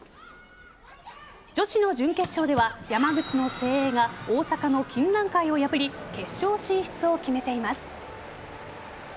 女子の準決勝では山口の誠英が大阪の金蘭会を破り決勝進出を決めています。